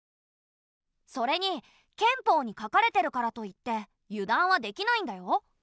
それに憲法に書かれてるからといって油断はできないんだよ。